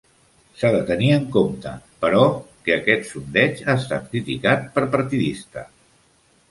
S'ha de tenir en compte, però, que aquesta sondeig ha estat criticat per partidista.